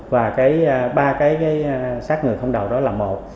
và ba cái sát người không đầu đó là một